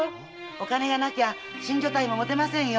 お金がなきゃ新所帯も持てませんよ。